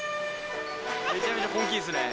めちゃめちゃ本気っすね！